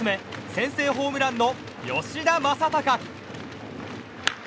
先制ホームランの吉田正尚。